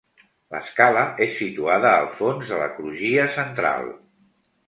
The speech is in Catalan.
L'escala és situada al fons de la crugia central.